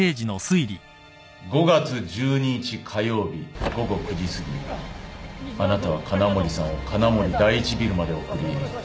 ５月１２日火曜日午後９時すぎあなたは金森さんを金森第一ビルまで送り